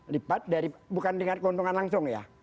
lipat dari bukan dengan keuntungan langsung ya